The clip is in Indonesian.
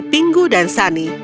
pingu dan sunny memiliki